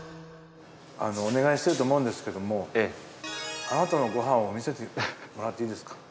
お願いしてると思うんですけどもあなたのご飯を見せてもらっていいですか？